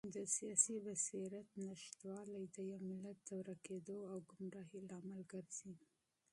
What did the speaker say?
د سیاسي بصیرت نشتوالی د یو ملت د ورکېدو او ګمراهۍ لامل ګرځي.